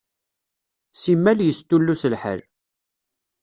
Simmal yestullus lḥal.